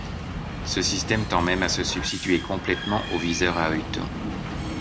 Ce système tend même à se substituer complètement au viseur à œilleton.